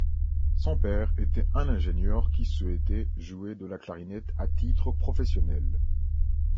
Son père était un ingénieur qui souhaitait jouer de la clarinette à titre professionnel.